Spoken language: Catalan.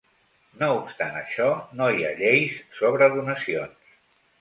No obstant això, no hi ha lleis sobre donacions.